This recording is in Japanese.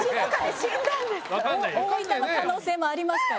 大分の可能性もありますから。